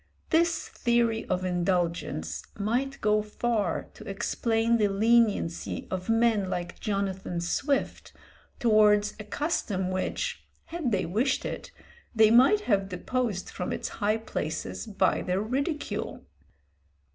This theory of indulgence might go far to explain the leniency of men like Jonathan Swift towards a custom which, had they wished it, they might have deposed from its high places by their ridicule.